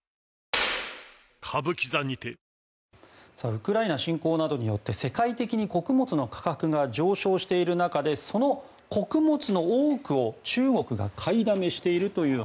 ウクライナ侵攻などによって世界的に穀物の価格が上昇している中でその穀物の多くを中国が買いだめしているという